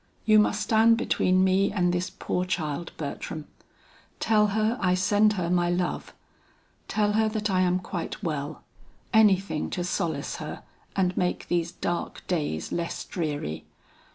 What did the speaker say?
You must stand between me and this poor child, Bertram. Tell her I send her my love; tell her that I am quite well; anything to solace her and make these dark days less dreary.